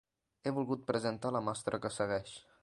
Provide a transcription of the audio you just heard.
He volgut presentar la mostra que segueix.